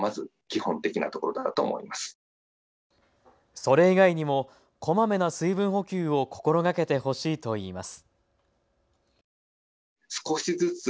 それ以外にもこまめな水分補給を心がけてほしいといいます。